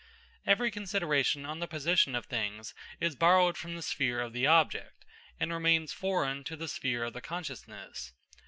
Every consideration on the position of things is borrowed from the sphere of the object, and remains foreign to the sphere of the consciousness.